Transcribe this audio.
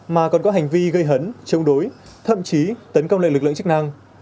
mà còn có hành vi gây hấn chống đối thậm chí tấn công lại lực lượng chức năng